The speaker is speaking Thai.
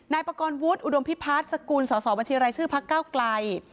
นายปกรณ์วุฒิอุดมพิพัฒน์สกุลสสบัญชีรายชื่อพระเก้ากลัย